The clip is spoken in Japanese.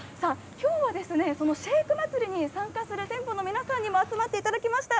さあ、きょうはそのシェイク祭に参加する店舗の皆さんにも集まっていただきました。